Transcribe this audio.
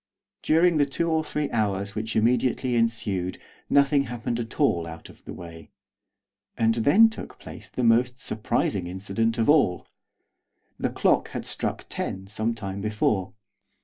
During the two or three hours which immediately ensued nothing happened at all out of the way, and then took place the most surprising incident of all. The clock had struck ten some time before.